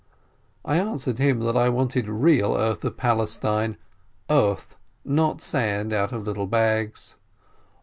I answered him that I wanted real earth of Palestine, earth, not sand out of little bags.